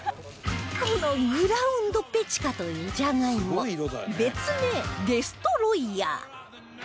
このグラウンドペチカというじゃがいも別名デストロイヤー